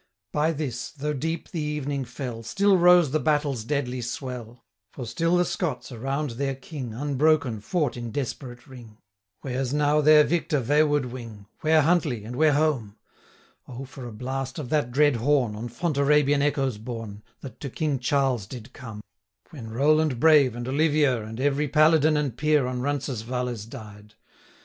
By this, though deep the evening fell, Still rose the battle's deadly swell, For still the Scots, around their King, 995 Unbroken, fought in desperate ring. Where's now their victor vaward wing, Where Huntly, and where Home? O, for a blast of that dread horn, On Fontarabian echoes borne, 1000 That to King Charles did come, When Rowland brave, and Olivier, And every paladin and peer, On Roncesvalles died!